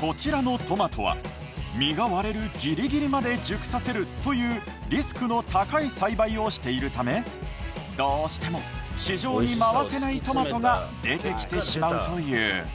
こちらのトマトは身が割れるギリギリまで熟させるというリスクの高い栽培をしているためどうしても市場に回せないトマトが出てきてしまうという。